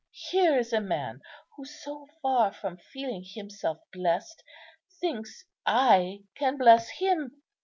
Here is a man who, so far from feeling himself blest, thinks I can bless him!